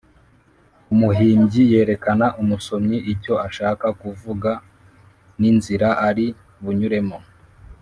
Umuhimbyi yereka umusomyi icyo ashaka kuvuga n’inzira ari bunyuremo.